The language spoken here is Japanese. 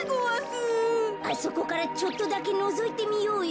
あそこからちょっとだけのぞいてみようよ。